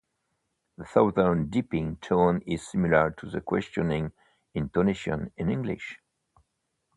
The Southern "dipping" tone is similar to the questioning intonation in English.